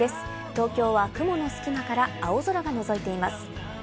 東京は雲の隙間から青空がのぞいています。